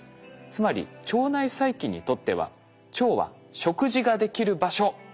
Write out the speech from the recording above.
つまり腸内細菌にとっては腸は食事ができる場所というわけ。